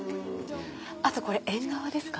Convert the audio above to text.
あとこれ縁側ですか？